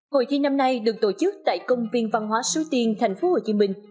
hội thi năm nay được tổ chức tại công viên văn hóa sứ tiên tp hcm